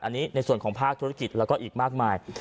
อันนี้ในส่วนของภาคธุรกิจแล้วก็อีกมากมาย